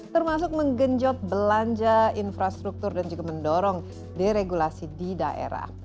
termasuk menggenjot belanja infrastruktur dan juga mendorong deregulasi di daerah